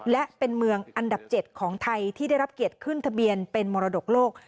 และเป็นเมืองอันดับ๗ของไทยที่ได้รับเกียรติขึ้นทะเบียนเป็นมรดกโลก